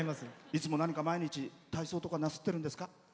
いつも何か毎日体操とかなさってるんですか？